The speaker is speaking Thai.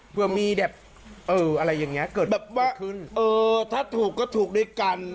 เผื่อมีแบบอะไรอย่างนี้เกิดขึ้นแบบว่าถ้าถูกก็ถูกด้วยกัน